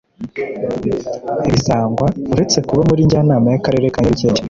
Bisangwa uretse kuba muri Njyanama y’akarere ka Nyarugenge